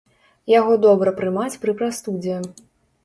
Яго добра прымаць пры прастудзе.